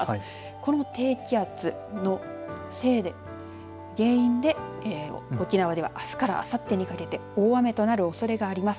この低気圧のせいで沖縄ではあすからあさってにかけて大雨となるおそれがあります。